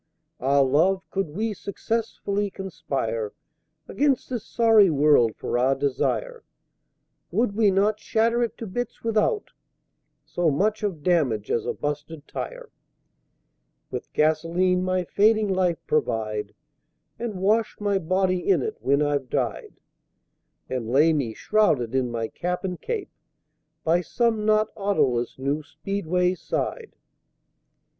Ah, Love, could we successfully conspire Against this sorry World for our desire, Would we not shatter it to bits without So much of damage as a busted tire? With Gasoline my fading Life provide, And wash my Body in it when I've died, And lay me, shrouded in my Cap and Cape, By some not Autoless new Speedway's side.